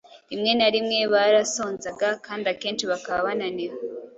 rimwe na rimwe barasonzaga kandi akenshi bakaba bananiwe.